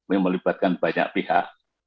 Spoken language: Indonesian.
ini melibatkan banyak pihak